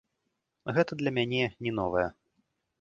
Гэта для мяне не новае.